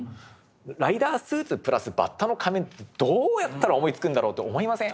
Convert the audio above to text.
ライダースーツプラスバッタの仮面ってどうやったら思いつくんだろうと思いません？